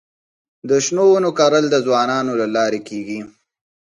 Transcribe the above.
د شنو ونو کرل د ځوانانو له لارې کيږي.